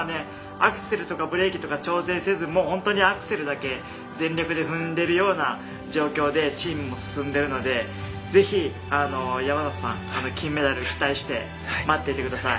アクセルとかブレーキとか調整せずもうほんとにアクセルだけ全力で踏んでるような状況でチームも進んでるので是非山里さん金メダル期待して待っていて下さい。